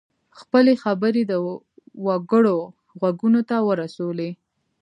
خپلې خبرې د وګړو غوږونو ته ورسولې.